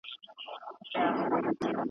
چنداني چا سیالي نه ده کړې `